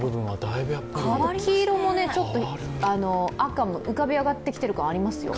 黄色もちょっと、赤も浮かび上がってきてる感ありますよ。